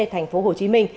thành phố hồ chí minh